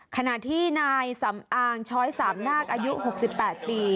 ขณะที่นายสำอางช้อยสามนาคอายุ๖๘ปี